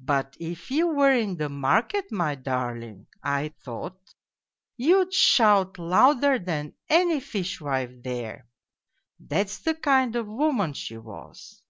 But if you were in the market, my darling, I thought you'd shout louder than any fishwife there. ... That's the kind of woman she was.